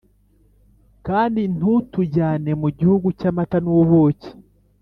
Kandi ntutujyanye mu gihugu cyamata nubuki